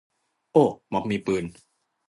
โอ้ว ม็อบมีปืน